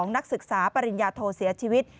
นักศึกษาปริญญาโทเสียชีวิต